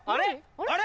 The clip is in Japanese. あれ？